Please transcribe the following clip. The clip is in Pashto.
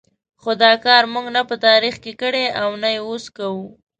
خو دا کار موږ نه په تاریخ کې کړی او نه یې اوس کوو.